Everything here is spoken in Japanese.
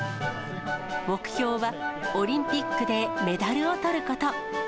目標は、オリンピックでメダルをとること。